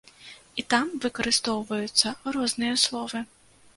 І там выкарыстоўваюцца розныя словы.